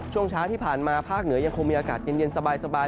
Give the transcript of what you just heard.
ช่วงเช้าที่ผ่านมาภาคเหนือยังคงมีอากาศเย็นสบาย